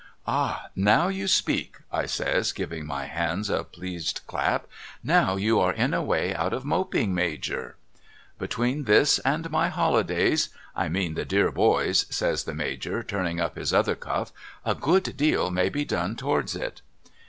* Ah ! Now you speak ' I says giving my hands a pleased clap. ' Now you are in a way out of moping Major !'' Between this and my holidays — I mean the dear boy's ' says the Major turning up his other cuft^, 'a good deal may be done towards it.'